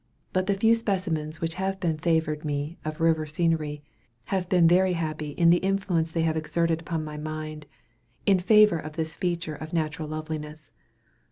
But the few specimens which have been favored me of river scenery, have been very happy in the influence they have exerted upon my mind, in favor of this feature of natural loveliness.